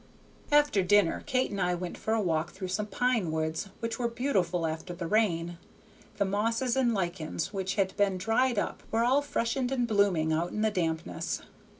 After dinner Kate and I went for a walk through some pine woods which were beautiful after the rain; the mosses and lichens which had been dried up were all freshened and blooming out in the dampness.